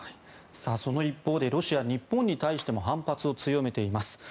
その一方で、ロシア日本に対しても反発を強めています。